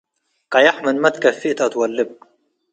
ቀየሕ ምንመ ትከፍእ ተአትወልብ።